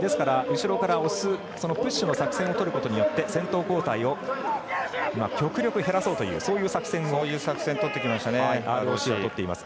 ですから、後ろから押すプッシュの作戦をとることによって先頭交代を極力減らそうというそういう作戦をＲＯＣはとっています。